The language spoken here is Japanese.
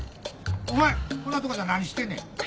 お前こんなとこで何してんねん？